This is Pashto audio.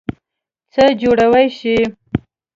څه جوړوئ شی؟